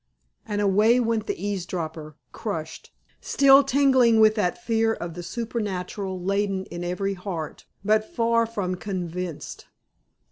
And away went the eavesdropper, crushed, still tingling with that fear of the supernatural latent in every heart, but far from convinced.